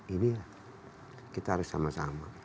ini ya kita harus sama sama